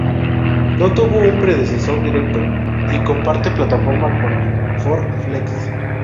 No tuvo un predecesor directo y comparte plataforma con el Ford Flex.